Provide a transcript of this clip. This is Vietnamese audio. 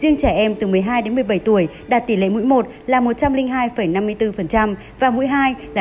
riêng trẻ em từ một mươi hai một mươi bảy tuổi đạt tỷ lệ mũi một là một trăm linh hai năm mươi bốn và mũi hai là năm mươi sáu bốn mươi bảy